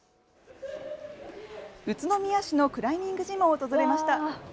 宇都宮市にあるクライミングジムを訪れました。